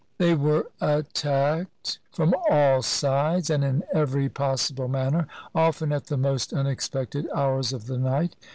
They were attacked from all sides and in every pos sible manner, often at the most imexpected hours of the night.